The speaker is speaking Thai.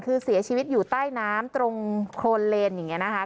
คือเสียชีวิตอยู่ใต้น้ำตรงโครนเลนอย่างนี้นะคะ